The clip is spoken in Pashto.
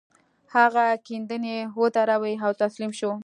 هغه کيندنې ودرولې او تسليم شو.